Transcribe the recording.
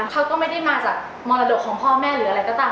เขาก็ไม่ได้มาจากมรดกของพ่อแม่หรืออะไรก็ตาม